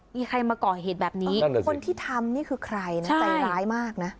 มีใครมาก่อเหตุแบบนี้คนที่ทำนี่คือใครนะใจร้ายมากนะ